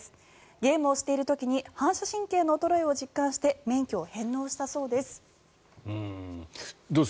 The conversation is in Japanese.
ゲームをしている時に反射神経の衰えを実感して免許を返納したそうです。